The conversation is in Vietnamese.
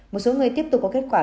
một số người tiếp tục có kết quả